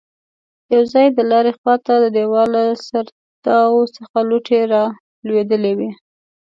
يو ځای د لارې خواته د دېوال له سرداو څخه لوټې رالوېدلې وې.